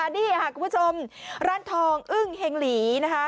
นี่คุณผู้ชมร้านทองอึ้งเฮงหลี